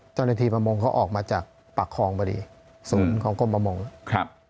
ประมงเขาออกมาจากปากคลองพอดีศูนย์ของกรมประมงครับ